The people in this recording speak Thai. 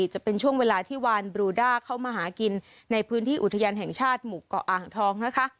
จะเป็นช่วงเวลาที่วานบรูด้าเข้ามาหากินในพื้นที่อุทยานแห่งชาติหมู่เกาะอ่างทองนะคะ